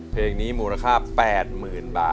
ที่บอกที่บอกใจยังไง